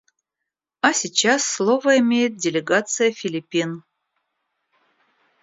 А сейчас слово имеет делегация Филиппин.